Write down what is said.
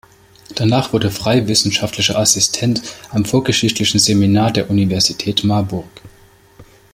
Danach wurde Frey Wissenschaftlicher Assistent am "Vorgeschichtlichen Seminar" der Universität Marburg.